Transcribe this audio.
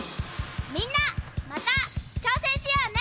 みんなまた挑戦しようね！